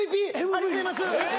ありがとうございます。